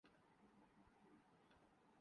کیا بک رہے ہو؟